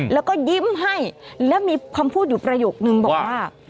แล้วก็ยิ้มให้แล้วมีคำพูดอยู่ประโยคนึงบอกว่า